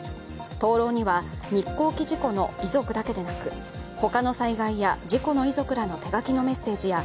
灯籠には、日航機事故の遺族だけでなく他の災害や事故の遺族らの手書きのメッセージや